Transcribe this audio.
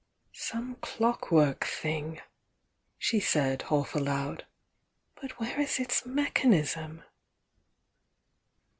"Some clock work thing," she said half aloud. "But where is its mechanism?"